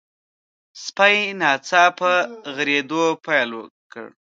سپي ناڅاپه غريدو پيل کړ.